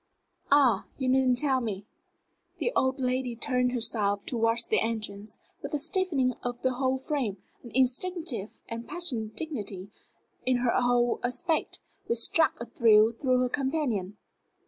Ah, you needn't tell me." The old lady turned herself towards the entrance, with a stiffening of the whole frame, an instinctive and passionate dignity in her whole aspect, which struck a thrill through her companion.